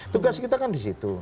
tugas kita kan disitu